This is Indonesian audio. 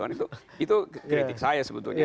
itu kritik saya sebetulnya